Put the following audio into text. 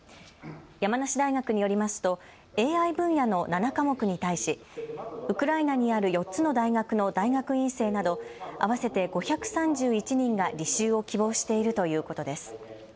山梨大学によりますとＡＩ分野の７科目に対し、ウクライナにある４つの大学の大学院生など合わせて５３１人が履修を希望しているということです。